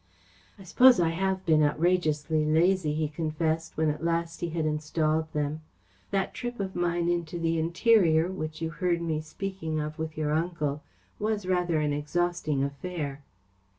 "I suppose I have been outrageously lazy," he confessed, when at last he had installed them. "That trip of mine into the interior, which you heard me speaking of with your uncle, was rather an exhausting affair."